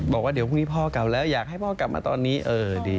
บอกว่าเดี๋ยวพรุ่งนี้พ่อกลับแล้วอยากให้พ่อกลับมาตอนนี้เออดี